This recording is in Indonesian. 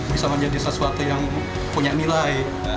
bisa menjadi sesuatu yang punya nilai